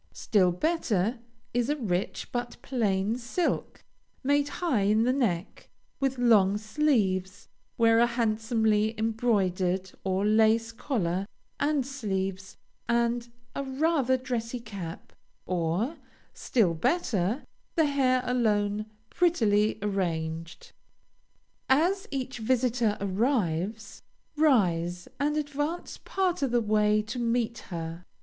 Still better is a rich but plain silk, made high in the neck, with long sleeves. Wear a handsomely embroidered, or lace collar, and sleeves, and a rather dressy cap, or, still better, the hair alone, prettily arranged. As each visitor arrives, rise, and advance part of the way to meet her.